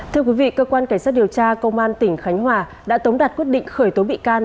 thưa quý vị cơ quan cảnh sát điều tra công an tỉnh khánh hòa đã tống đạt quyết định khởi tố bị can